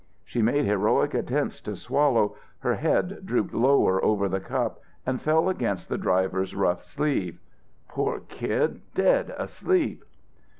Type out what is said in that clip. She made heroic attempts to swallow, her head drooped lower over the cup and fell against the driver's rough sleeve. "Poor kid, dead asleep!"